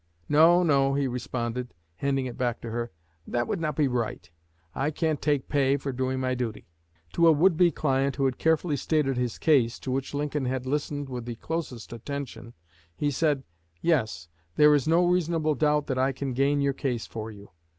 "No, no," he responded, handing it back to her; "that would not be right. I can't take pay for doing my duty." To a would be client who had carefully stated his case, to which Lincoln had listened with the closest attention, he said: "Yes, there is no reasonable doubt that I can gain your case for you.